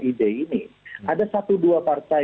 ide ini ada satu dua partai